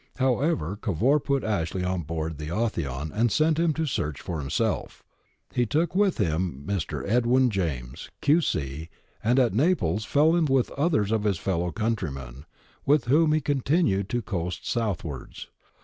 However, Cavour put Ashley on board the Authion and sent him to search for himself He took with him Mr. Edwin James, Q.C., and at Naples fell in with others of his fellow countrymen, with whom he continued to coast southwards.